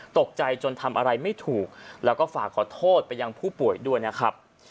ตกใจจนทำอะไรไม่ถูกแล้วก็ฝากขอโทษไปยังผู้ป่วยด้วยนะครับ